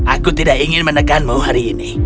aku tidak ingin menekanmu hari ini